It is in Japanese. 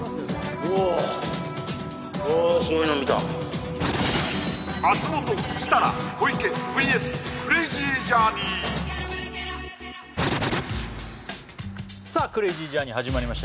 お松本設楽小池ＶＳクレイジージャーニーさあクレイジージャーニー始まりました